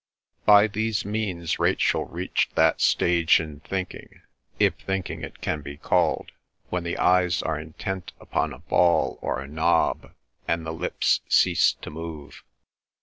By these means Rachel reached that stage in thinking, if thinking it can be called, when the eyes are intent upon a ball or a knob and the lips cease to move.